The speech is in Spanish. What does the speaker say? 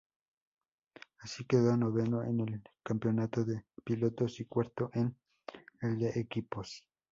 Así, quedó noveno en el campeonato de pilotos y cuarto en el de equipos.